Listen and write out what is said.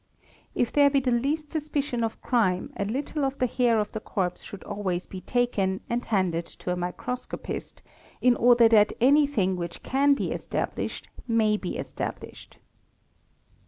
If there be the least suspicion of crime a little of the hair of the corpse should always be taken and handed to a microscopist in order that anything which can be established may be established.